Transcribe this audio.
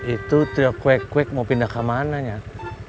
itu dia kuek kuek mau pindah kemana nyat